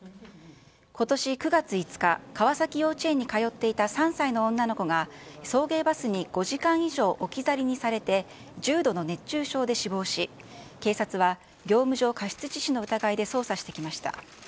ことし９月５日、川崎幼稚園に通っていた３歳の女の子が、送迎バスに５時間以上置き去りにされて、重度の熱中症で死亡し、警察は業務上過失致死の疑いで捜査してきました。